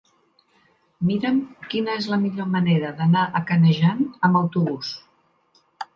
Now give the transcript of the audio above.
Mira'm quina és la millor manera d'anar a Canejan amb autobús.